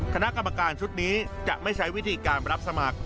คณะกรรมการชุดนี้จะไม่ใช้วิธีการรับสมัคร